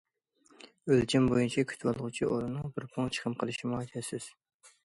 ئۆلچەم بويىچە كۈتۈۋالغۇچى ئورۇننىڭ بىر پۇڭ چىقىم قىلىشىمۇ ھاجەتسىز.